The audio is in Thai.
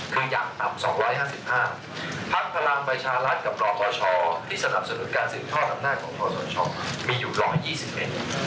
คืออย่างต่ำ๒๕๕ภาคพลังประชารัฐกับปลอบบ่ชที่สนับสนุนการสืบทอดอำนาจของทศชมีอยู่๑๒๐เมตร